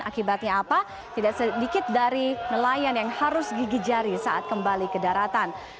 akibatnya apa tidak sedikit dari nelayan yang harus gigi jari saat kembali ke daratan